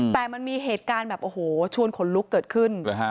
แต่มันมีเหตุการณ์แบบโอ้โหชวนขนลุกเกิดขึ้น